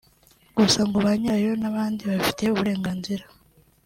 Gusa ngo ba nyirayo n’abandi babifitiye uburenganzira